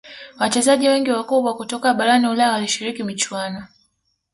wachezaji wengi wakubwa kutoka barani ulaya walishiriki michuano